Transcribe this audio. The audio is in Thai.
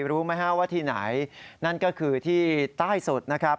รู้ไหมฮะว่าที่ไหนนั่นก็คือที่ใต้สุดนะครับ